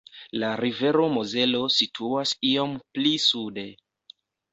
La rivero Mozelo situas iom pli sude.